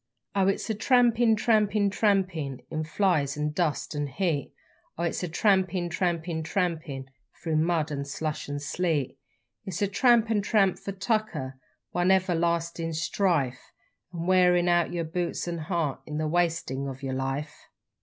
_Oh it's trampin', trampin', tra a mpin', in flies an' dust an' heat, Or it's trampin' trampin' tra a a mpin' through mud and slush 'n sleet; It's tramp an' tramp for tucker one everlastin' strife, An' wearin' out yer boots an' heart in the wastin' of yer life.